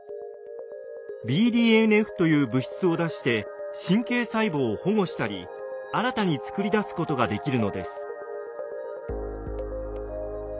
ＢＤＮＦという物質を出して神経細胞を保護したり新たに作り出すことができるのです。